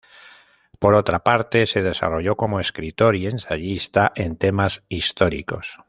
Por otra parte, se desarrolló como escritor y ensayista en temas históricos.